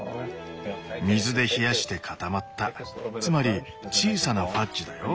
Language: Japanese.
水で冷やして固まったつまり小さなファッジだよ。